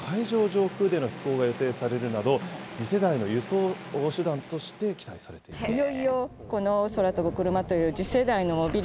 上空での飛行が予定されるなど、次世代の輸送手段として期待されています。